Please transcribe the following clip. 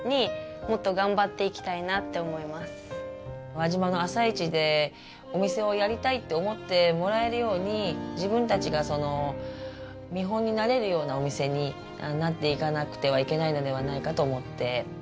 輪島の朝市でお店をやりたいって思ってもらえるように自分たちがその見本になれるようなお店になっていかなくてはいけないのではないかと思って。